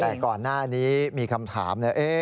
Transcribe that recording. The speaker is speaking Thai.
แต่ก่อนหน้านี้มีคำถามนะ